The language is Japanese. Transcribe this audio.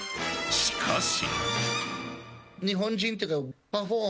しかし。